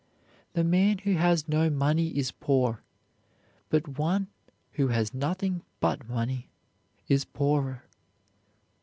The man who has no money is poor, but one who has nothing but money is poorer.